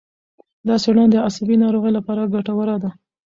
دا څېړنه د عصبي ناروغیو لپاره ګټوره ده.